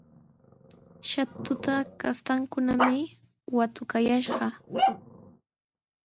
Shatuta kastankunami watukayashqa.